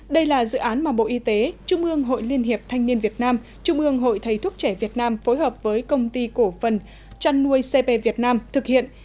đây là dự án mà bộ y tế trung ương hội liên hiệp thanh niên việt nam trung ương hội thầy thuốc trẻ việt nam phối hợp với công ty cổ phần trăn nuôi cp việt nam thực hiện